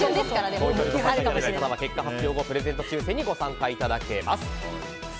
投票に参加した方は結果発表後プレゼント抽選にご参加いただけます。